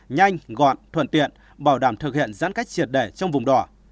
nhanh gọn thuận tiện bảo đảm thực hiện giãn cách triệt đẻ trong vùng đỏ